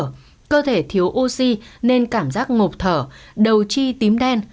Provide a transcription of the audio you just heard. khó thở cơ thể thiếu oxy nên cảm giác ngộp thở đầu chi tím đen